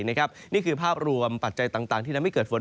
นี่คือภาพรวมปัจจัยต่างที่ทำให้เกิดฝน